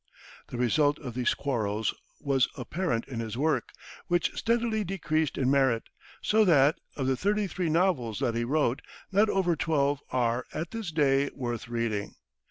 The result of these quarrels was apparent in his work, which steadily decreased in merit, so that, of the thirty three novels that he wrote, not over twelve are, at this day, worth reading.